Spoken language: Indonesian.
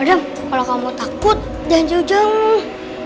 adam kalo kamu takut jangan jauh jauh